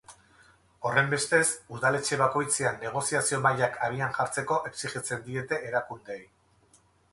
Horrenbestez, udaletxe bakoitzean negoziazio mahaiak abian jartzeko exijitzen diete erakundeei.